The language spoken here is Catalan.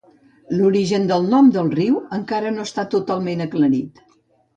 L'origen del nom del riu encara no està totalment aclarit.